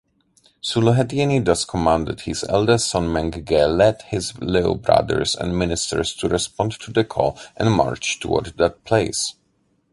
Suoluhetieni thus commanded his eldest son Meng Ge lead his little brothers and ministers to respond to the call and march toward that place.